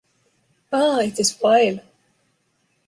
Ah! It is vile.